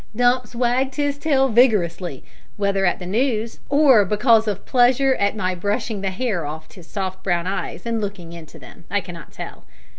Dumps wagged his tail vigorously; whether at the news, or because of pleasure at my brushing the hair off his soft brown eyes, and looking into them, I cannot tell.